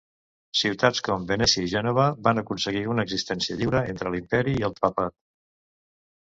Ciutats com Venècia i Gènova, van aconseguir una existència lliure entre l'imperi i el papat.